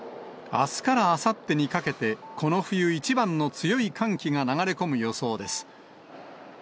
あすからあさってにかけて、この冬一番の強い寒気が流れ込む予想です。